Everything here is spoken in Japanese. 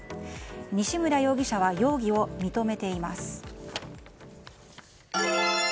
西村容疑者は容疑を認めています。